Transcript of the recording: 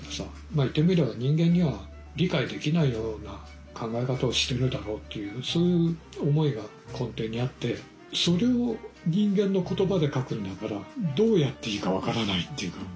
まあ言ってみれば人間には理解できないような考え方をしてるだろうっていうそういう思いが根底にあってそれを人間の言葉で書くんだからどうやっていいか分からないっていうか